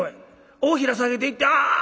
大平下げていってああっ！